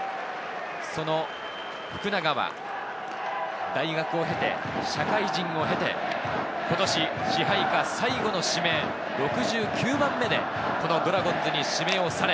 その福永は大学を経て社会人を経て、今年、支配下最後の指名、６９番目で、このドラゴンズに指名をされ、